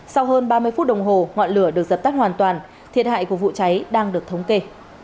sau hơn ba mươi phút đồng hồ ngọn lửa được dập tắt hoàn toàn thiệt hại của vụ cháy đang được thống kê